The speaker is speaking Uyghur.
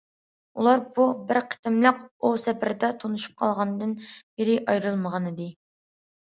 ئۇلا بىر قېتىملىق ئوۋ سەپىرىدە تونۇشۇپ قالغاندىن بېرى ئايرىلمىغانىدى.